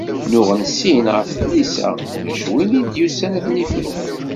Nuɣen sin ɣef tlisa, ulac win i d-yusan ad ten-ifru.